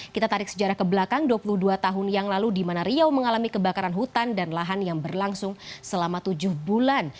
kita tarik sejarah ke belakang dua puluh dua tahun yang lalu di mana riau mengalami kebakaran hutan dan lahan yang berlangsung selama tujuh bulan